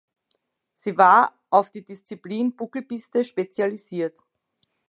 Sie war auf die Disziplin Buckelpiste spezialisiert.